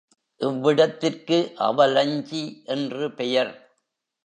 இவ்விடத்திற்கு அவலஞ்சி என்று பெயர்.